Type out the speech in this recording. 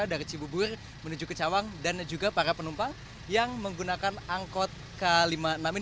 dari cibubur menuju ke cawang dan juga para penumpang yang menggunakan angkot k lima puluh enam ini